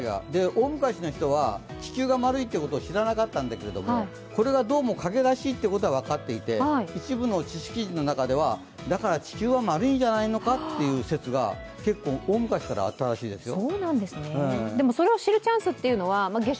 大昔の人は地球が丸いということを知らなかったんだけどこれがどうも影らしいということは分かっていて一部の知識人の中では、だから地球は丸いんじゃないかのという説が結構、大昔からあったらしいですよ